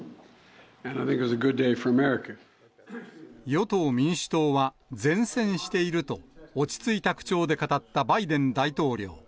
与党・民主党は善戦していると、落ち着いた口調で語ったバイデン大統領。